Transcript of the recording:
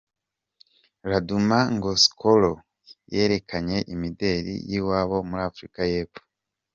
Laduma Ngxokolo yerekanye imideli y’iwabo muri Afurika y’Epfo.